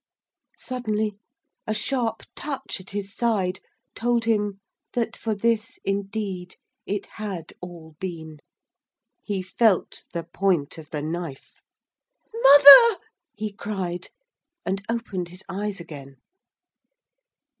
Suddenly a sharp touch at his side told him that for this, indeed, it had all been. He felt the point of the knife. 'Mother!' he cried. And opened his eyes again.